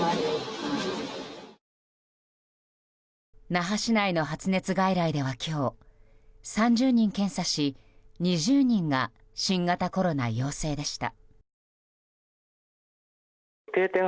那覇市内の発熱外来では今日３０人検査し２０人が新型コロナ陽性でした。